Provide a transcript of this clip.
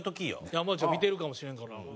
山内が見てるかもしれんから。